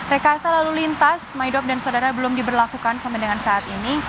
rekasa lalu lintas maidop dan saudara belum diberlakukan sampai dengan saat ini